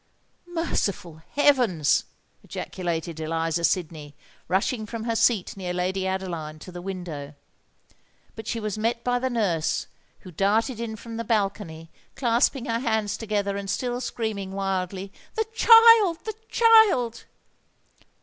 "Merciful heavens!" ejaculated Eliza Sydney, rushing from her seat near Lady Adeline to the window. But she was met by the nurse, who darted in from the balcony, clasping her hands together, and still screaming wildly—"The child! the child!"